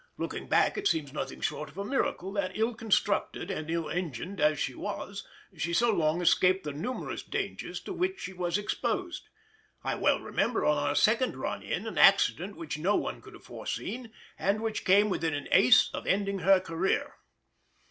Looking back it seems nothing short of a miracle that, ill constructed and ill engined as she was, she so long escaped the numerous dangers to which she was exposed. I well remember, on our second run in, an accident which no one could have foreseen, and which came within an ace of ending her career.